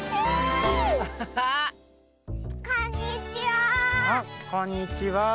あっこんにちは。